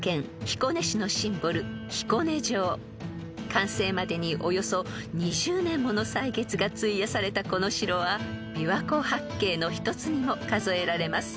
［完成までにおよそ２０年もの歳月が費やされたこの城は琵琶湖八景の一つにも数えられます］